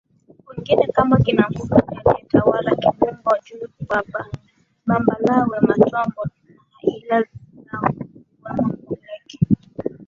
wengine kama kina Msumi aliyetawala Kibungo Juu Bambalawe matombo na aila zao akiwemo Mleke